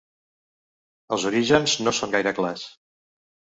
Els orígens no són gaire clars.